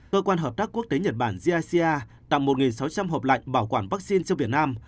cơ quan hợp tác quốc tế nhật bản gic tặng một sáu trăm linh hộp lạnh bảo quản vaccine cho việt nam